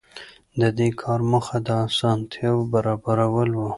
د دې کار موخه د اسانتیاوو برابرول وو.